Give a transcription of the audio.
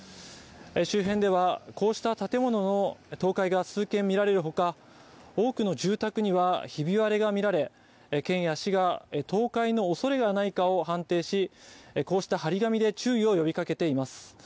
周辺ではこうした建物の倒壊が数軒見られるほか、多くの住宅にはひび割れが見られ、県や市が倒壊の恐れがないかを判定し、こうした張り紙で注意を呼びかけています。